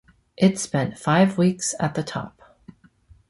It spent five weeks at the top.